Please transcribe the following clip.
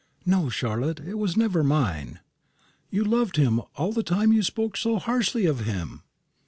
"No, Charlotte, it was never mine." "You loved him all the time you spoke so harshly of him!"